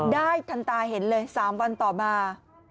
ได้ทันตาเห็นเลย๓วันต่อมา